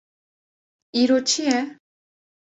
Îro çi ye?